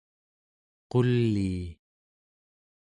qulii